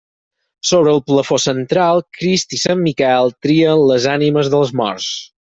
Sobre el plafó central, Crist i sant Miquel trien les ànimes dels morts.